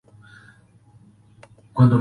La caligrafía se vuelve temblorosa e ilegible.